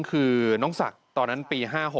คือน้องศักดิ์ตอนนั้นปี๕๖